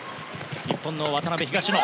日本の渡辺・東野